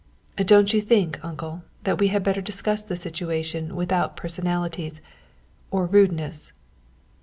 "Don't you think, uncle, that we had better discuss the situation without personalities or rudeness?"